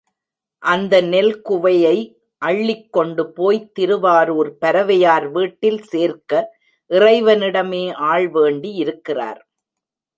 அந்த நெல் குவையை அள்ளிக் கொண்டு போய்த் திருவாரூர் பரவையார் வீட்டில் சேர்க்க இறைவனிடமே ஆள் வேண்டியிருக்கிறார்.